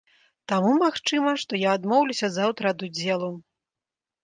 Таму магчыма, што я адмоўлюся заўтра ад удзелу.